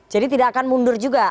jadi tidak akan mundur juga